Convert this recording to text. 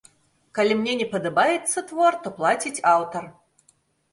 Калі мне не падабаецца твор, то плаціць аўтар.